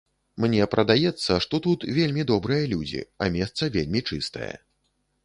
Мне прадаецца, што тут вельмі добрыя людзі, а месца вельмі чыстае.